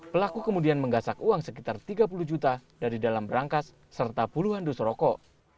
pelaku kemudian menggasak uang sekitar tiga puluh juta dari dalam berangkas serta puluhan dus rokok